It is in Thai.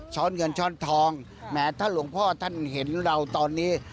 ้อนเงินช้อนทองแหมถ้าหลวงพ่อท่านเห็นเราตอนนี้